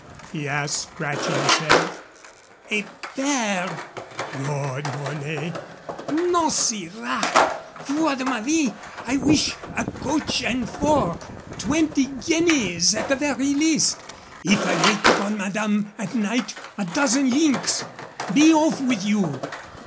he asked, scratching his head. "A pair?" roared Mornay. "No, sirrah! Foi de ma vie! I wish a coach and four. Twenty guineas at the very least. If I wait upon madame at night, a dozen links. Be off with you!"